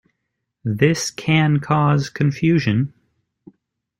This can cause confusion.